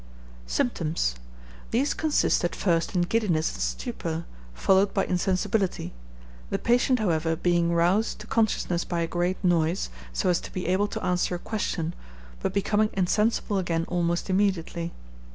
Symptoms. These consist at first in giddiness and stupor, followed by insensibility, the patient, however, being roused to consciousness by a great noise, so as to be able to answer a question, but becoming insensible again almost immediately.